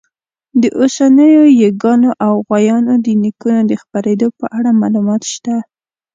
د اوسنیو ییږانو او غویانو د نیکونو د خپرېدو په اړه معلومات شته.